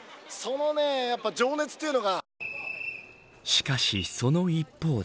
しかし、その一方で。